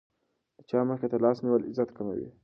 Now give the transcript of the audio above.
د چا مخې ته لاس نیول عزت کموي.